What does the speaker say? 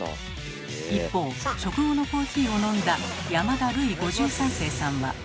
一方食後のコーヒーを飲んだ山田ルイ５３世さんは。